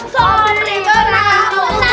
sorry pernah lupa